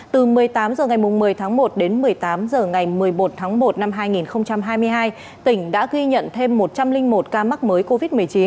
từ một mươi tám h ngày một mươi tháng một đến một mươi tám h ngày một mươi một tháng một năm hai nghìn hai mươi hai tỉnh đã ghi nhận thêm một trăm linh một ca mắc mới covid một mươi chín